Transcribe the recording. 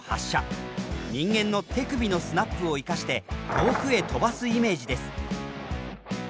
人間の手首のスナップを生かして遠くへ飛ばすイメージです。